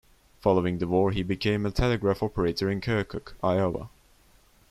Following the war he became a telegraph operator in Keokuk, Iowa.